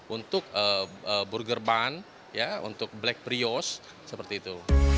untuk burger bun untuk black brioche seperti itu